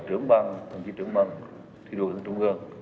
trưởng ban thủ tướng thi đua thủ tướng trung ương